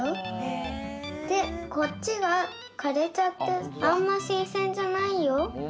でこっちはかれちゃってあんましんせんじゃないよ。